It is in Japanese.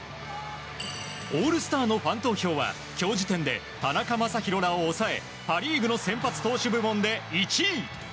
オールスターのファン投票は今日時点で田中将大らを抑えパ・リーグの先発投手部門で１位。